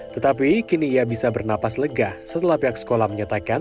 tetapi kini ia bisa bernapas lega setelah pihak sekolah menyatakan